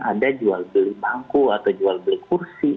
ada jual beli bangku atau jual beli kursi